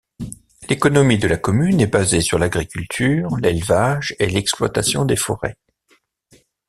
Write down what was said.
L'économie de la commune est basée sur l'agriculture, l'élevage et l'exploitation des forêts.